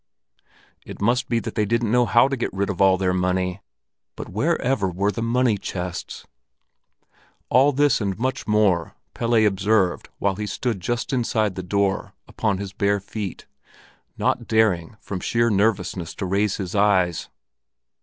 It must be that they didn't know how to get rid of all their money. But wherever were the money chests? All this and much more Pelle observed while he stood just inside the door upon his bare feet, not daring from sheer nervousness to raise his eyes.